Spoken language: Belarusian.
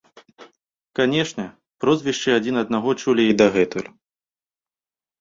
Канешне, прозвішчы адзін аднаго чулі і дагэтуль.